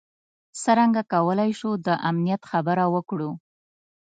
څرنګه کولای شو د امنیت خبره وکړو.